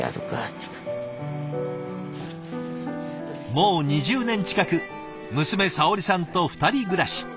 もう２０年近く娘さおりさんと２人暮らし。